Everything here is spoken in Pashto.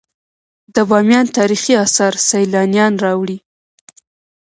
د بامیان تاریخي اثار سیلانیان راوړي